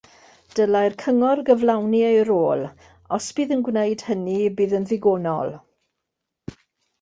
Dylai'r Cyngor gyflawni ei rôl; os bydd yn gwneud hynny bydd yn ddigonol ...